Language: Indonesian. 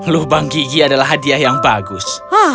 lubang gigi adalah hadiah yang bagus